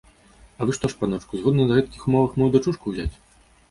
А вы што ж, паночку, згодны на гэткіх умовах маю дачушку ўзяць?